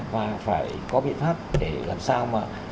và phải có biện pháp để làm sao mà